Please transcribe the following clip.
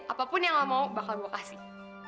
apapun yang gak mau bakal gue kasih